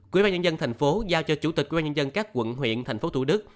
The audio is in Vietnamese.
quỹ ban nhân dân thành phố giao cho chủ tịch quỹ ban nhân dân các quận huyện thành phố thủ đức